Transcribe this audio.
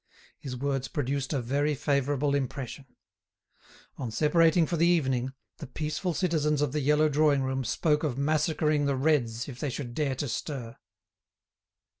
His words produced a very favourable impression. On separating for the evening, the peaceful citizens of the yellow drawing room spoke of massacring the "Reds" if they should dare to stir.